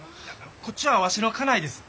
こっちはワシの家内です。